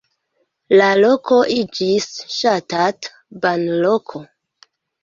La loko iĝis ŝatata banloko.